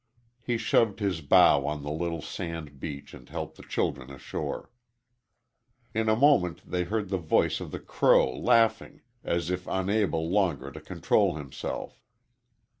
He shoved his bow on the little sand beach and helped the children ashore. In a moment they heard the voice of the crow laughing as if unable longer to control himself.